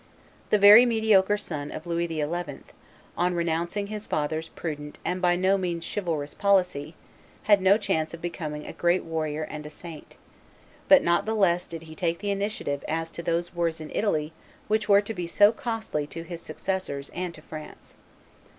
The very mediocre son of Louis XI., on renouncing his father's prudent and by no means chivalrous policy, had no chance of becoming a great warrior and a saint; but not the less did he take the initiative as to those wars in Italy which were to be so costly to his successors and to France.